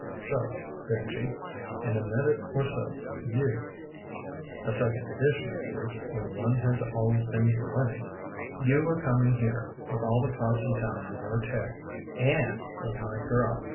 "So, Benji. In a minute or so, you a second edition of you, when one has always been plenty you are coming here, with all the cops in town on your tail, and with my girl.